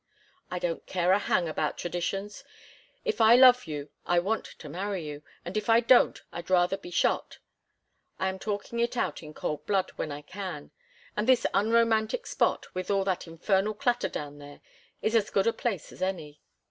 "I don't care a hang about traditions. If I love you I want to marry you, and if I don't I'd rather be shot. I am talking it out in cold blood when I can, and this unromantic spot, with all that infernal clatter down there, is as good a place as any.